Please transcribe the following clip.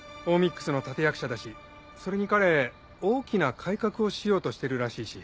Ｏｈ！Ｍｉｘの立役者だしそれに彼大きな改革をしようとしてるらしいし。